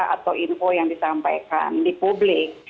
atau info yang disampaikan di publik